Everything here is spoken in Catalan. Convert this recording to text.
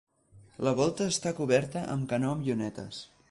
La volta està coberta amb canó amb llunetes.